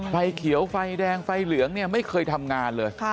ไฟเขียวไฟแดงไฟเหลืองเนี่ยไม่เคยทำงานเลย